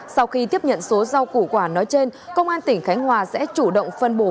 sau khi tiếp nhận số rau củ quả nói trên công an tỉnh khánh hòa sẽ chủ động phân bổ